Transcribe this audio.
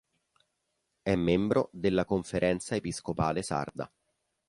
È membro della Conferenza Episcopale Sarda.